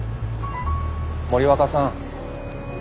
森若さん。